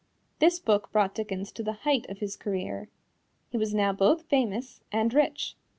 This book brought Dickens to the height of his career. He was now both famous and rich.